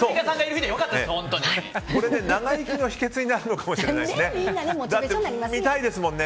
長生きの秘訣になるのかもしれないですね。